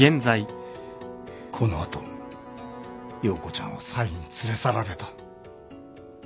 この後葉子ちゃんはサイに連れ去られた。